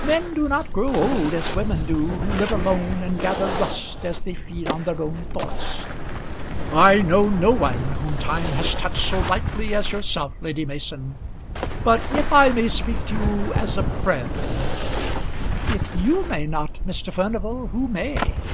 "Men do not grow old as women do, who live alone and gather rust as they feed on their own thoughts." "I know no one whom time has touched so lightly as yourself, Lady Mason; but if I may speak to you as a friend " "If you may not, Mr. Furnival, who may?"